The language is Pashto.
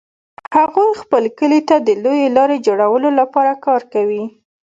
هغوی خپل کلي ته د لویې لارې جوړولو لپاره کار کوي